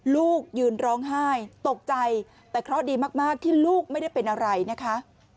ลูกยืนร้องไห้ตกใจแต่เคราะห์ดีมากที่ลูกไม่ได้เป็นอะไรนะคะ